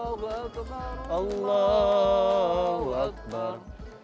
allah akbar allah akbar